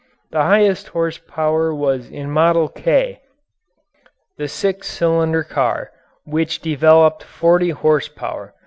The highest horsepower was in "Model K," the six cylinder car, which developed forty horsepower.